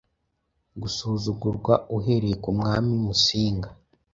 gusuzugurwa, uhereye ku mwami Musinga.